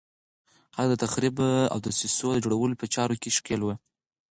خلک د تخریب او دسیسو جوړولو په چارو کې ښکېل وي.